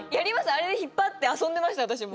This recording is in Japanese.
あれで引っ張って遊んでました私も。